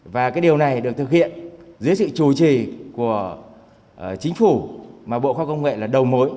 và cái điều này được thực hiện dưới sự chủ trì của chính phủ mà bộ khoa công nghệ là đầu mối